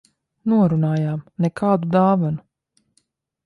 Norunājām - nekādu dāvanu.